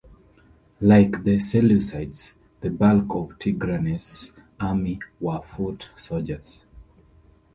Like the Seleucids, the bulk of Tigranes' army were foot soldiers.